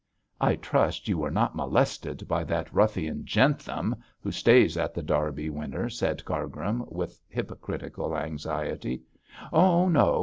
'I trust you were not molested by that ruffian Jentham, who stays at The Derby Winner,' said Cargrim, with hypocritical anxiety. 'Oh, no!